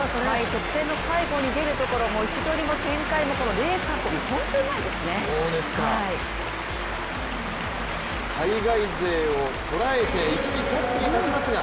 直線の最後に出るところも位置取りも展開もレース運び、本当に旨いですね。